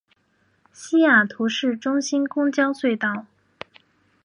西雅图市中心公交隧道。